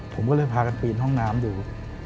ผมก็เลยพากันปีนห้องน้ำดู